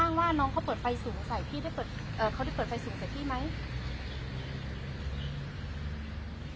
เขาได้เปิดไฟสูงใส่พี่ไหม